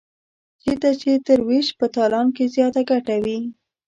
چېرته چې تر وېش په تالان کې زیاته ګټه وي.